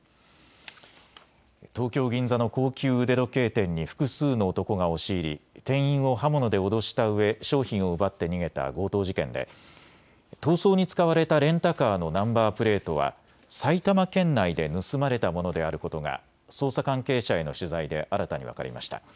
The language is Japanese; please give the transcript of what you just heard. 東京銀座の高級腕時計店に複数の男が押し入り店員を刃物で脅したうえ商品を奪って逃げた強盗事件で逃走に使われたレンタカーのナンバープレートは埼玉県内で盗まれたものであることが捜査関係者への取材で新たに分かりました。